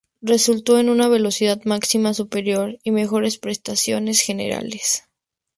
Resultó en una velocidad máxima superior y mejores prestaciones generales.